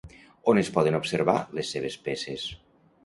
On es poden observar les seves peces?